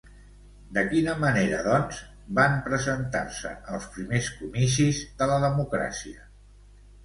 De quina manera, doncs, van presentar-se als primers comicis de la democràcia?